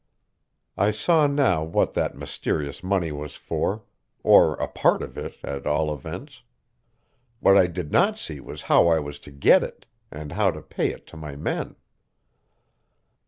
I saw now what that mysterious money was for or a part of it, at all events. What I did not see was how I was to get it, and how to pay it to my men.